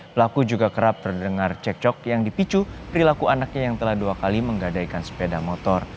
pelaku juga kerap terdengar cekcok yang dipicu perilaku anaknya yang telah dua kali menggadaikan sepeda motor